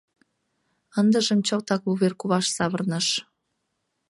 Ындыжым чылтак вуверкуваш савырныш.